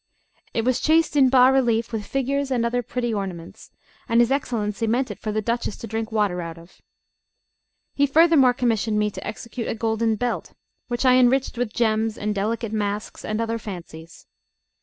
It was chased in bas relief with figures and other pretty ornaments, and his Excellency meant it for the Duchess to drink water out of. He furthermore commissioned me to execute a golden belt, which I enriched with gems and delicate masks and other fancies.